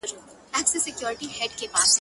په دغسي شېبو كي عام اوخاص اړوي سـترگي.